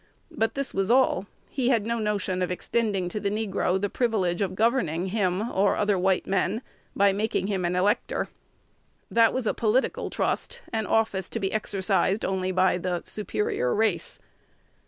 But this was all: he had no notion of extending to the negro the privilege of governing him and other white men, by making him an elector. That was a political trust, an office to be exercised only by the superior race.